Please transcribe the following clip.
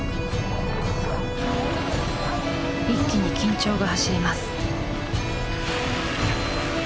一気に緊張が走ります。